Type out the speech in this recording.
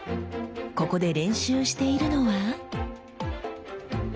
ここで練習しているのは？